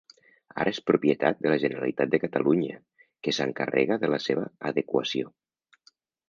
Ara és propietat de la Generalitat de Catalunya que s'encarrega de la seva adequació.